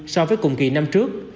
so với cùng kỳ năm trước